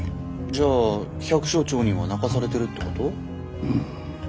じゃあ百姓町人は泣かされてるってこと？